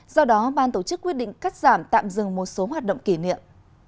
do đó ban tổ chức quyết định cắt giảm tạm dừng một số hoạt động kỷ niệm